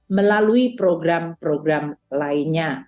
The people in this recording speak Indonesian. melalui program program lainnya